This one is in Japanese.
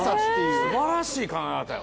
すばらしい考え方やわ。